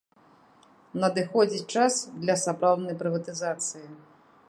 Надыходзіць час для сапраўднай прыватызацыі.